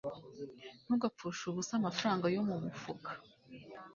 ntugapfushe ubusa amafaranga yo mu mufuka